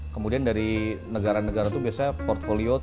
kemudian dari negara negara itu biasanya portfolio tiga